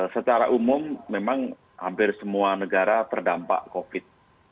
secara umum memang hampir semua negara terdampak covid